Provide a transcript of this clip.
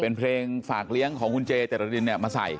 เป็นเพลงฝากเลี้ยงของคุณเจจรดินเนี่ยมาใส่